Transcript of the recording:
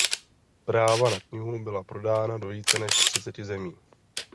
Práva na knihu byla prodána do více než třiceti zemí.